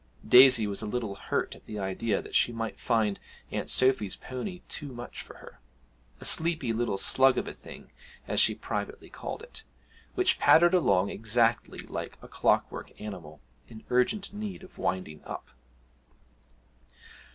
Daisy was a little hurt at the idea that she might find Aunt Sophy's pony too much for her a sleepy little 'slug of a thing,' as she privately called it, which pattered along exactly like a clockwork animal in urgent need of winding up.